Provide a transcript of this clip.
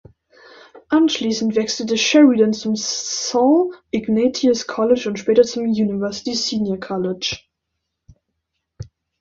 Anschließend wechselte Sheridan zum Saint Ignatius College und später zum University Senior College.